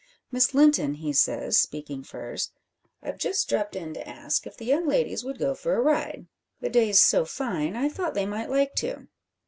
"Miss Linton," he says, speaking first, "I've just dropped in to ask if the young ladies would go for a ride. The day's so fine, I thought they might like to."